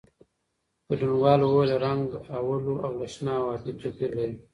ګډونوالو وویل، رنګ "اولو" له شنه او ابي توپیر لري.